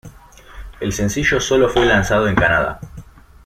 El sencillo solo fue lanzado en Canadá.